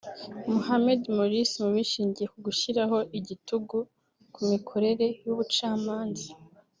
Mohamed Morsi bushingiye ku gushyiraho igitugu ku mikorere y’ubucamanza